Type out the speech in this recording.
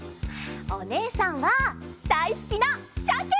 おねえさんはだいすきなしゃけ！